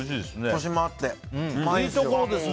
コシもあって、うまいですよ。